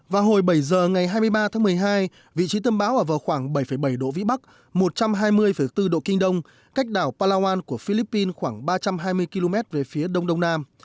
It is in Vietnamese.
vào hồi bảy giờ ngày hai mươi ba tháng một mươi hai vị trí tâm bão ở vào khoảng bảy bảy độ vĩ bắc một trăm hai mươi bốn độ kinh đông cách đảo palawan của philippines khoảng ba trăm hai mươi km về phía đông đông nam